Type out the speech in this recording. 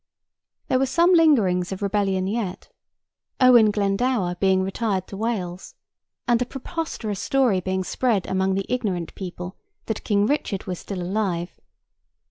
There were some lingerings of rebellion yet: Owen Glendower being retired to Wales, and a preposterous story being spread among the ignorant people that King Richard was still alive.